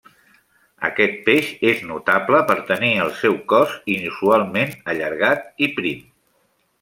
Aquest peix és notable per tenir el seu cos inusualment allargat i prim.